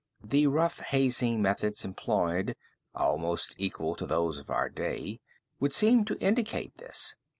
The rough hazing methods employed, almost equal to those of our own day! would seem to indicate this.